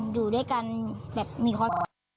ดูด้วยกันแบบมีค่อย